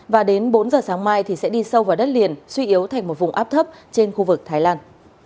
và đến bốn giờ sáng mai sẽ đi sâu vào đất liền suy yếu thành một vùng áp thấp trên khu vực thái lan